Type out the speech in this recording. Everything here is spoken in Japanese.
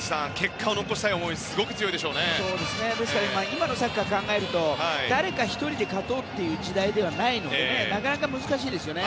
今のサッカーを考えるとだれか１人で勝とうという時代ではないのでなかなか難しいですよね。